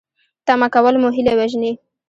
تمه کول مو هیلې وژني